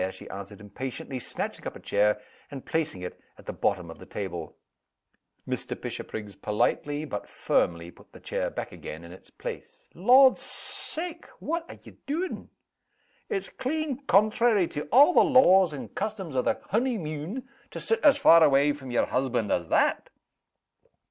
she answered, impatiently; snatching up a chair, and placing it at the bottom of the table. Mr. Bishopriggs politely, but firmly, put the chair back again in its place. "Lord's sake! what are ye doin'? It's clean contrary to a' the laws and customs o' the honey mune, to sit as far away from your husband as that!"